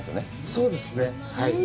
そうですね。